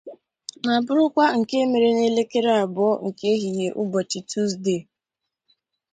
ma bụrụkwa nke mere n'elekere abụọ nke ehihie ụbọchị Tuzdee.